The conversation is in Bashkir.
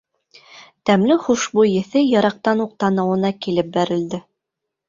Тәмле хушбуй еҫе йыраҡтан уҡ танауына килеп бәрелде.